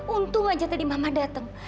untung aja tadi mama datang